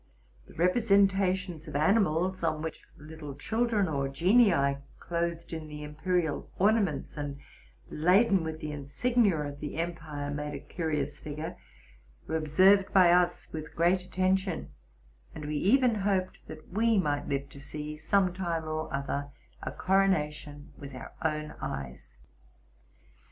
The representations of animals, on which little children or genii, clothed in the imperial ornaments and laden with the insignia of the empire, made a curious figure, were ob served by us with great attention; and we even hoped that we might live to see, some time or other, a coronation with our own eyes.